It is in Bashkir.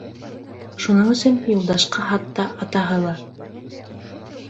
Шуның өсөн Юлдашҡа хатта атаһы ла: